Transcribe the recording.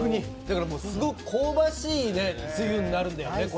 すごく香ばしいつゆになるんだよね。